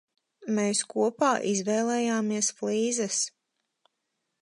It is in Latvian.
Mēs kopā izvēlējāmies flīzes.